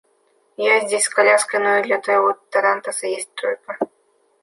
Я здесь с коляской, но и для твоего тарантаса есть тройка.